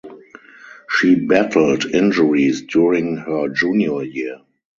She battled injuries during her junior year.